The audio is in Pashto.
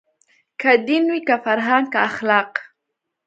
که دین وي که فرهنګ که اخلاق